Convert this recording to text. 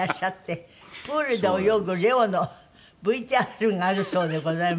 プールで泳ぐレオのＶＴＲがあるそうでございます。